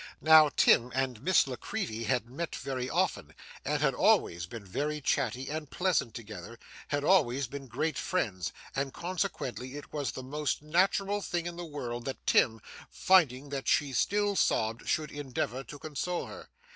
Now, Tim and Miss La Creevy had met very often, and had always been very chatty and pleasant together had always been great friends and consequently it was the most natural thing in the world that Tim, finding that she still sobbed, should endeavour to console her.